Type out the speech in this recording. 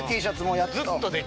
Ｔシャツもやっと。